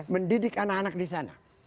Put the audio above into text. mendidik anak anak disana